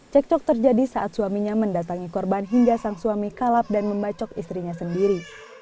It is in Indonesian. cekcok terjadi saat suaminya mendatangi korban hingga sang suami kalap dan membacok istrinya sendiri